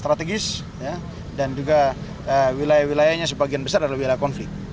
strategis dan juga wilayah wilayahnya sebagian besar adalah wilayah konflik